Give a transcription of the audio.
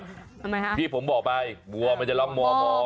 ทำไมคะที่ผมบอกไปวัวมันจะร้องม